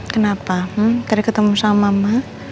kenapa hmm tadi ketemu sama mama